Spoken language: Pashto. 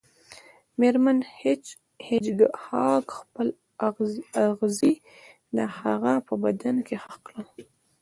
میرمن هیج هاګ خپل اغزي د هغه په بدن کې ښخ کړل